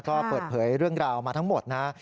ก็เปิดเผยเรื่องราวมาทั้งหมดนะ